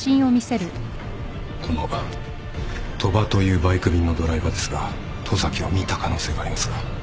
この鳥羽というバイク便のドライバーですが十崎を見た可能性がありますが連絡が取れません。